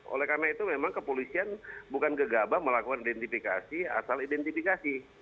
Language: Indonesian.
oleh karena itu memang kepolisian bukan gegabah melakukan identifikasi asal identifikasi